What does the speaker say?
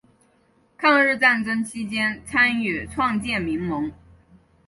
抗日战争期间参与创建民盟。